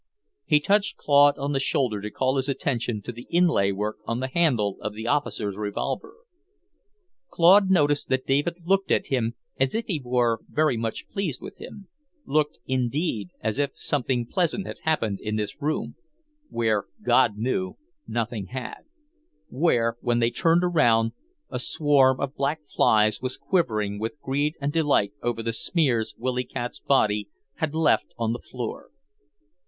He touched Claude on the shoulder to call his attention to the inlay work on the handle of the officer's revolver. Claude noticed that David looked at him as if he were very much pleased with him, looked, indeed, as if something pleasant had happened in this room; where, God knew, nothing had; where, when they turned round, a swarm of black flies was quivering with greed and delight over the smears Willy Katz' body had left on the floor.